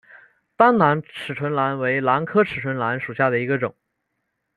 单囊齿唇兰为兰科齿唇兰属下的一个种。